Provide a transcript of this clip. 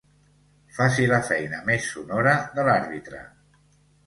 Faci la feina més sonora de l'àrbitre.